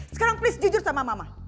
sekarang please jujur sama mama